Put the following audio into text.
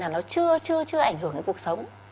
nó chưa ảnh hưởng đến cuộc sống